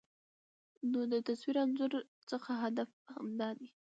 نو د تصوير انځور څخه هدف همدا دى